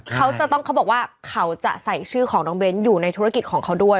เขาจะต้องเขาบอกว่าเขาจะใส่ชื่อของน้องเบ้นอยู่ในธุรกิจของเขาด้วย